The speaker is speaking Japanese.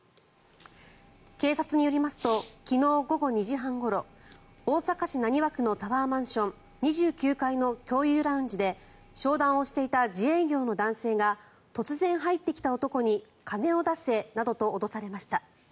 警察によりますと昨日午後２時半ごろ大阪市浪速区のタワーマンション、２９階の共有ラウンジで商談をしていた自営業の男性が突然入ってきた男に金を出せなどと脅されました。